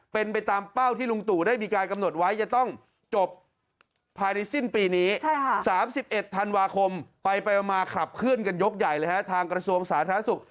เป็นยกใหญ่เลยฮะทางกระทรวงสาธารณสุข